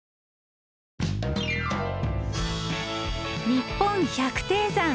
「にっぽん百低山」。